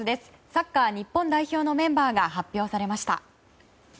サッカー日本代表のメンバーが発表されました。